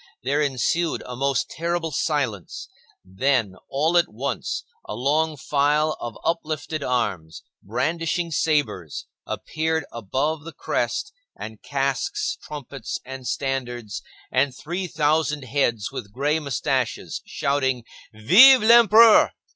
There ensued a most terrible silence; then, all at once, a long file of uplifted arms, brandishing sabres, appeared above the crest, and casques, trumpets, and standards, and three thousand heads with gray moustaches, shouting, "Vive l'Empereur!"